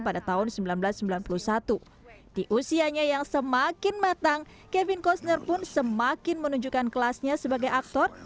pada tahun seribu sembilan ratus sembilan puluh satu di usianya yang semakin matang kevin costner pun semakin menunjukkan kelasnya sebagai aktor